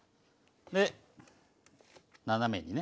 で斜めにね